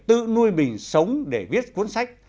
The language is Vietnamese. tự nuôi mình sống để viết cuốn sách